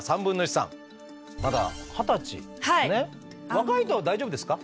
若いと大丈夫ですか？